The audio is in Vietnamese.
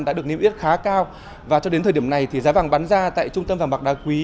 đã được niêm yết khá cao và cho đến thời điểm này thì giá vàng bán ra tại trung tâm vàng bạc đa quý